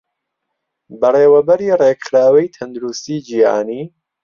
بەڕێوەبەری ڕێکخراوەی تەندروستیی جیهانی